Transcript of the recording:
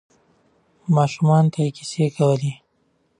ماشومانو ته یې کیسې کولې.